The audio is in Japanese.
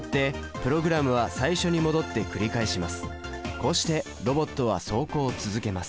こうしてロボットは走行を続けます。